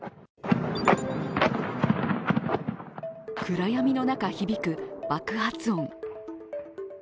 暗闇の中、響く爆発音。